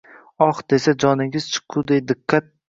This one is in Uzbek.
“Oh” desa, joningiz chiqquday diqqat